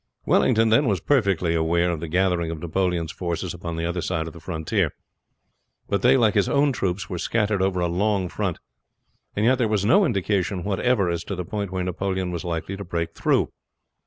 Wellington, then, was perfectly aware of the gathering of Napoleon's forces upon the other side of the frontier; but they, like his own troops were scattered over a long front, and yet there was no indication whatever as to the point where Napoleon was likely to break through.